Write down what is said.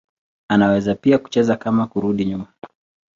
Anaweza pia kucheza kama kurudi nyuma.